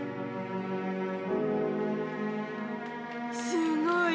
すごい。